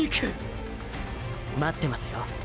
待ってますよ。